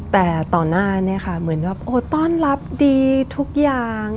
แต่ต่อหน้าเนี่ยค่ะเหมือนแบบโอ้ต้อนรับดีทุกอย่าง